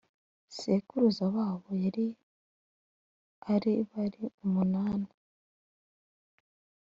sekuruza babo yari ari bari umunani